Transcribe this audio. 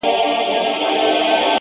هوښیار انسان فرصتونه ساتي.!